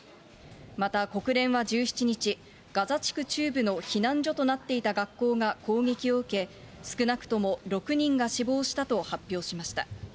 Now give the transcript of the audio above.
また国連は１７日、ガザ地区中部の避難所となっていた学校が攻撃を受け、少なくとも６人が死亡したと発表しました。